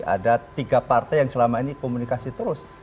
ada tiga partai yang selama ini komunikasi terus